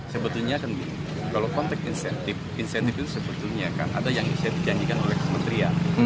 sebetulnya kalau konteks insentif insentif itu sebetulnya kan ada yang bisa dijanjikan oleh kementerian